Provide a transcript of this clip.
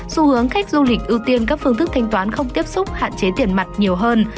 xu hướng khách du lịch ưu tiên các phương thức thanh toán không tiếp xúc hạn chế tiền mặt nhiều hơn